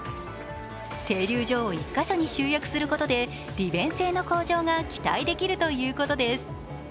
停留所を１か所に集約することで、利便性の向上が期待できるということです。